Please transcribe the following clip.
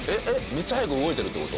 めっちゃ速く動いてるって事？